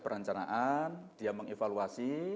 perancanaan dia mengevaluasi